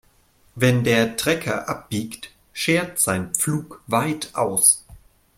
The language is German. Wenn der Trecker abbiegt, schert sein Pflug weit aus.